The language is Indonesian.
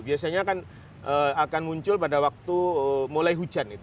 biasanya kan akan muncul pada waktu mulai hujan